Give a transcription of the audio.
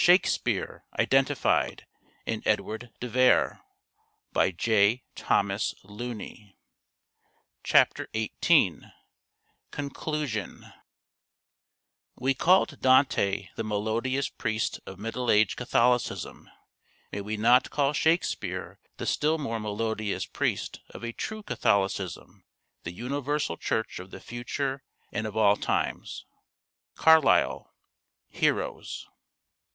1635 Death of Sir Horace Vere (April 2nd) CHAPTER XVIII CONCLUSION " WE called Dante the melodious Priest of Middle Age Catholicism. May we not call Shakespeare the still more melodious Priest of a true Catholicism, the Universal Church of the Future and of all times.' CARLYLE, " Heroes."